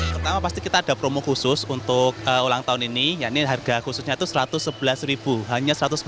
pertama pasti kita ada promo khusus untuk ulang tahun ini yang ini harga khususnya satu ratus sebelas hanya